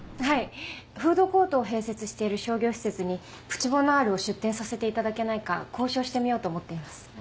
はい・フードコートを併設している商業施設にプチボナールを出店させていただけないか交渉してみようと思っています。